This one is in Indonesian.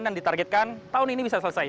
dan ditargetkan tahun ini bisa selesai